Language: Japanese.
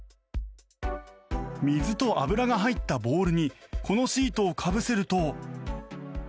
水と油が入ったボウルにこのシートをかぶせると。